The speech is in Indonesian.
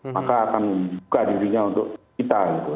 maka akan membuka dirinya untuk kita gitu